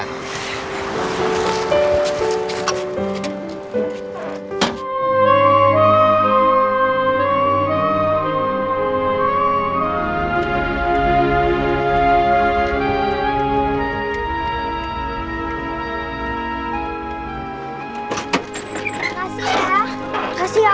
makasih ya pak